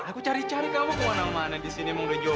aku cari cari kamu ke mana mana di sini emang udah jodoh